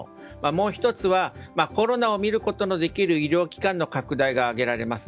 もう１つは、コロナを診ることのできる医療機関の拡大が挙げられます。